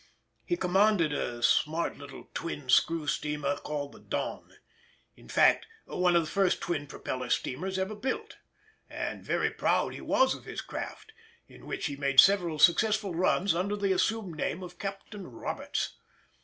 He commanded a smart little twin screw steamer called the Don, in fact one of the first twin propeller steamers ever built. And very proud he was of his craft, in which he made several successful runs under the assumed name of Captain Roberts.